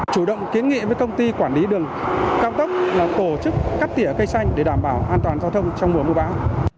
chủ động kiến nghị với công ty quản lý đường cao tốc là tổ chức cắt tỉa cây xanh để đảm bảo an toàn giao thông trong mùa mưa bão